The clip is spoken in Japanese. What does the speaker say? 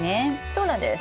そうなんです。